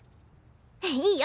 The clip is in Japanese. いいよ。